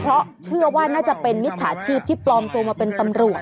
เพราะเชื่อว่าน่าจะเป็นมิจฉาชีพที่ปลอมตัวมาเป็นตำรวจ